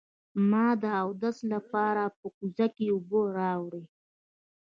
ما د اودس لپاره په کوزه کې اوبه راوړې.